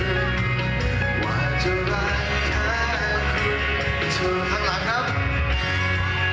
อีกเพลงหนึ่งครับนี้ให้สนสารเฉพาะเลย